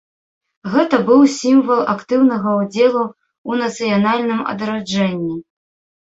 Гэта быў сімвал актыўнага ўдзелу ў нацыянальным адраджэнні.